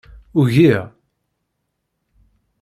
Ugiɣ.